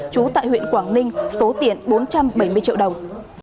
trú tại huyện quảng ninh số tiền bốn trăm bảy mươi triệu đồng